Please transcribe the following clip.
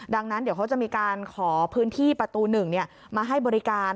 ดังนั้นเดี๋ยวเขาจะมีการขอพื้นที่ประตู๑มาให้บริการ